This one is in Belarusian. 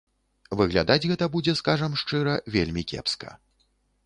Выглядаць гэта будзе, скажам шчыра, вельмі кепска.